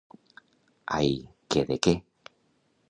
Ai que de què!